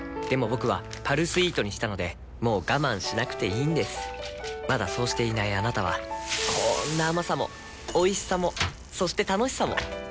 僕は「パルスイート」にしたのでもう我慢しなくていいんですまだそうしていないあなたはこんな甘さもおいしさもそして楽しさもあちっ。